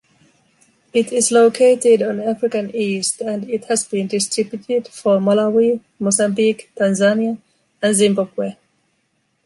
It is located on African East and it has been distributed for Malawi, Mozambique, Tanzania and Zimbabue.